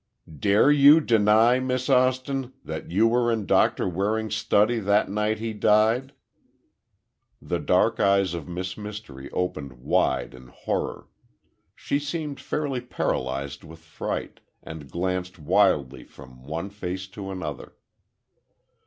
Dare you deny, Miss Austin, that you were in Doctor Waring's study that night he died?" The dark eyes of Miss Mystery opened wide in horror. She seemed fairly paralyzed with fright, and glanced wildly from one face to another.